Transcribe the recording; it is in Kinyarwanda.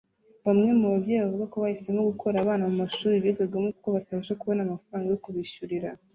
Bamwe mu babyeyi bavuga ko bahisemo gukura abana mu mashuri bigagamo kuko batabasha kubona amafaranga yo kubishyurira